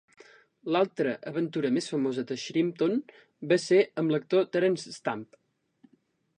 L'altra aventura més famosa de Shrimpton va ser amb l'actor Terence Stamp.